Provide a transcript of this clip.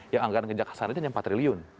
yang anggaran ke jaksa saja hanya empat triliun